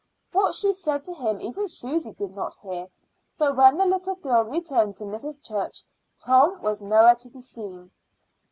What she said to him even Susy did not hear, but when the little girl returned to Mrs. Church, Tom was nowhere to be seen.